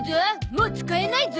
もう使えないゾ。